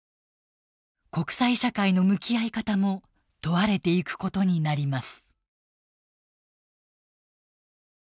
国際社会の向き合い方も問われていくことになります。